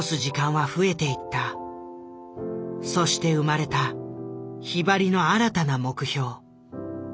そして生まれたひばりの新たな目標。